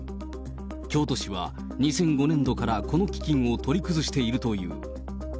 京都市は、２００５年度からこの基金を取り崩しているという。